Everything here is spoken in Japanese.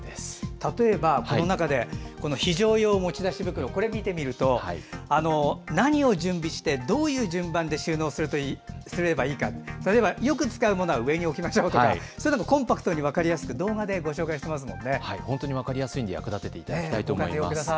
例えば、この中で非常用持ち出し袋を見てみると何を準備してどういう順番で収納すればいいか例えば、よく使うものは上に置きましょうとかそういうのもコンパクトに分かりやすく本当に分かりやすいので役立てていただきたいと思います。